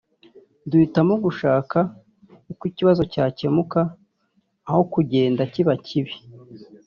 duhitamo gushaka uko ikibazo cyakemuka aho kugenda kiba kibi